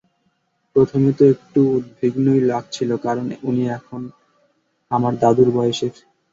প্রথমে তো একটু উদ্বিগ্নই লাগছিল কারণ উনি এখন আমার দাদুর বয়সের।